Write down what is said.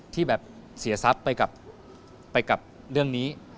ที่แบบเสียทรัพย์ไปกับเรื่องนี้